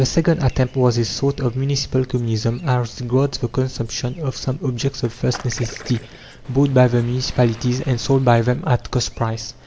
The second attempt was a sort of Municipal Communism as regards the consumption of some objects of first necessity, bought by the municipalities, and sold by them at cost price.